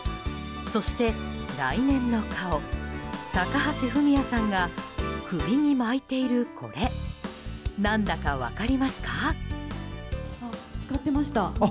そして来年の顔、高橋文哉さんが首に巻いているこれ何だか分かりますか？